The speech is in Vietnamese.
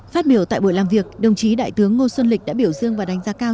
phát biểu tại buổi làm việc đồng chí đại tướng ngô xuân lịch đã biểu dương và đánh giá cao